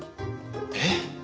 えっ？